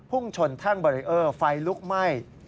พุ่งชนทางเบอร์เออร์ไฟลุกไหม้